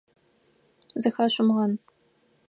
Зыхэшъумгъэн.